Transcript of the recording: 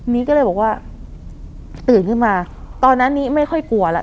นี้ก็เลยบอกว่าตื่นขึ้นมาตอนนั้นนี้ไม่ค่อยกลัวแล้ว